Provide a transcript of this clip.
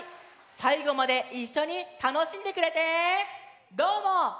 さいごまでいっしょにたのしんでくれてどうも。